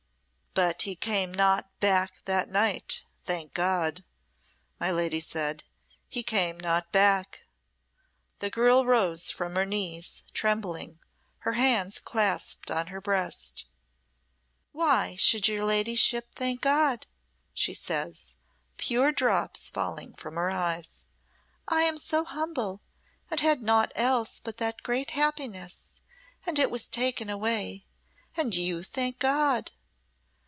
"But he came not back that night thank God!" my lady said "he came not back." The girl rose from her knees, trembling, her hands clasped on her breast. "Why should your ladyship thank God?" she says, pure drops falling from her eyes. "I am so humble, and had naught else but that great happiness, and it was taken away and you thank God."